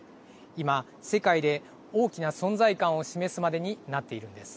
今、世界で大きな存在感を示すまでになっているんです。